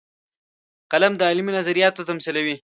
قلم د علمي نظریاتو تمثیلوي